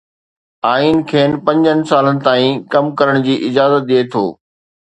آئين کين پنجن سالن تائين ڪم ڪرڻ جي اجازت ڏئي ٿو.